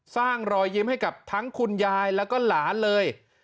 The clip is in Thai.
รอยยิ้มให้กับทั้งคุณยายแล้วก็หลานเลย